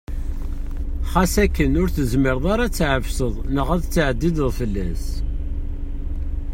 Ɣas akken ur tezmireḍ ara ad t-tɛefseḍ neɣ ad t-ttɛeddiḍ fell-as.